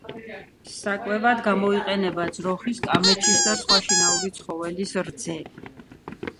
საკვებად გამოიყენება ძროხის, კამეჩის და სხვა შინაური ცხოველის რძე.